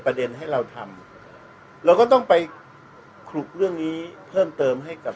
ให้เราทำเราก็ต้องไปขลุกเรื่องนี้เพิ่มเติมให้กับ